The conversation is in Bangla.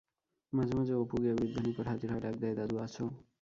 মাঝে মাঝে অপু গিয়া বৃদ্ধের নিকট হাজির হয়, ডাক দেয়,-দাদু আছো?